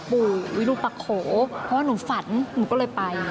เพราะว่าหนูฝันหนูก็เลยไป